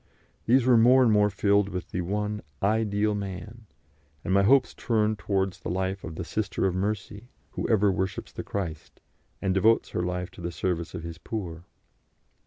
These were more and more filled with the one Ideal Man, and my hopes turned towards the life of the Sister of Mercy, who ever worships the Christ, and devotes her life to the service of His poor.